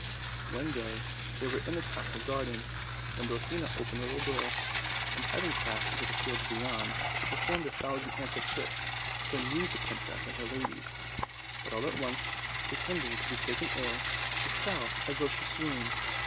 One day they were in the castle garden, when Dwarfina opened a little door, and, having passed into the fields beyond, she performed a thousand antic tricks to amuse the princess and her ladies, but all at once, pre tending to be taken ill, she fell as though she swooned.